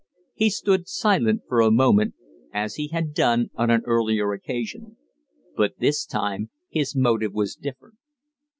He stood silent for a moment, as he had done on an earlier occasion; but this time his motive was different.